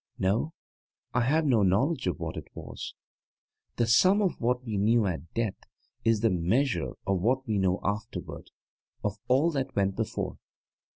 No, I have no knowledge of what it was. The sum of what we knew at death is the measure of what we know afterward of all that went before.